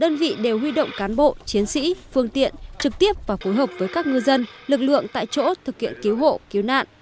đơn vị đều huy động cán bộ chiến sĩ phương tiện trực tiếp và phối hợp với các ngư dân lực lượng tại chỗ thực hiện cứu hộ cứu nạn